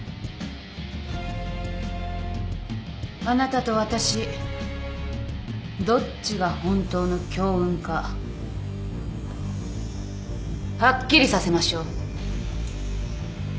あなたと私どっちが本当の強運かはっきりさせましょう。